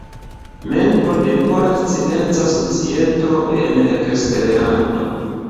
Membro de Pola Scienca Societo en Eksterlando.